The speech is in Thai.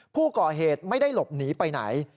ผู้ก่อเหตุไม่ได้หลบหนีไปไหน